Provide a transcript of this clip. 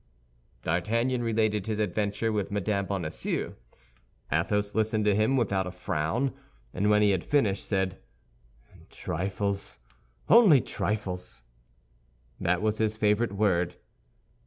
D'Artagnan related his adventure with Mme. Bonacieux. Athos listened to him without a frown; and when he had finished, said, "Trifles, only trifles!" That was his favorite word.